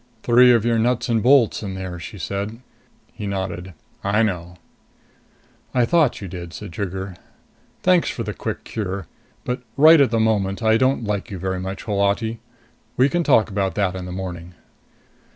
"Three of your nuts and bolts in there," she said. He nodded. "I know." "I thought you did," said Trigger. "Thanks for the quick cure. But right at the moment I don't like you very much, Holati. We can talk about that in the morning."